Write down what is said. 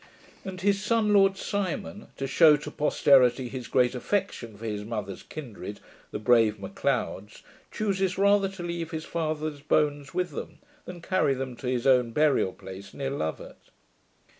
And his son LORD SIMON, to shew to posterity his great affection for his mother's kindred, the brave MAC LEODS, chooses rather to leave his father's bones with them, than carry them to his own burial place, near Lovat.